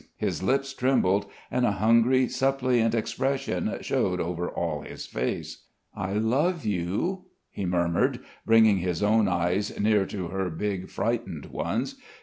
His lips trembled, and a hungry, suppliant expression showed over all his face. "I love you," he murmured, bringing his own eyes near to her big, frightened ones.